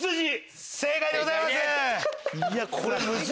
正解でございます。